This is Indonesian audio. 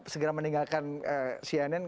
segera meninggalkan cnn